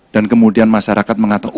dan kemudian masyarakat mengatakan